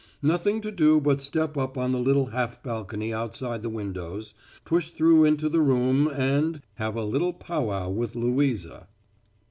Nothing to do but step up on the little half balcony outside the windows, push through into the room, and have a little powwow with Louisa.